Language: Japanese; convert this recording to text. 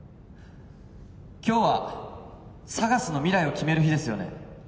今日はＳＡＧＡＳの未来を決める日ですよね？